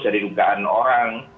dari dugaan orang